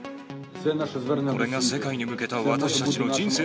これが世界に向けた私たちの人生